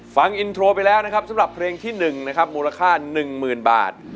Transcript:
ฟังอินโทรไปแล้วนะครับสำหรับเพลงที่๑นะครับมูลค่า๑๐๐๐บาท